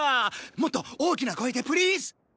もっと大きな声でプリーズ！